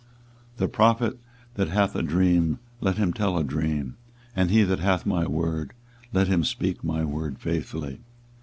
24:023:028 The prophet that hath a dream, let him tell a dream; and he that hath my word, let him speak my word faithfully.